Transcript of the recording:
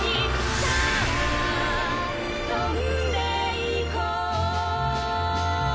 「さあ飛んで行こう」